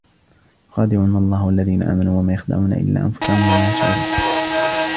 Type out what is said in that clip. يُخَادِعُونَ اللَّهَ وَالَّذِينَ آمَنُوا وَمَا يَخْدَعُونَ إِلَّا أَنْفُسَهُمْ وَمَا يَشْعُرُونَ